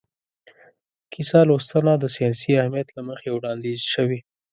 کیسه لوستنه د ساینسي اهمیت له مخې وړاندیز شوې.